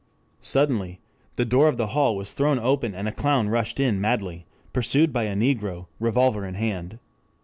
Suddenly the door of the hall was thrown open and a clown rushed in madly pursued by a negro, revolver in hand.